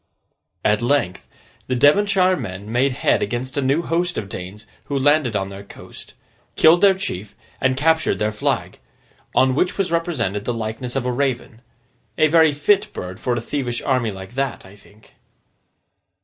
At length, the Devonshire men made head against a new host of Danes who landed on their coast; killed their chief, and captured their flag; on which was represented the likeness of a Raven—a very fit bird for a thievish army like that, I think.